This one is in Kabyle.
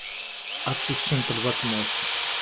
Ad tessineḍ lbaḍna-s.